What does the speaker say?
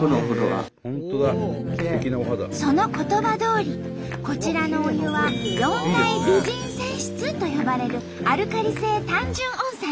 その言葉どおりこちらのお湯は「四大美人泉質」と呼ばれるアルカリ性単純温泉。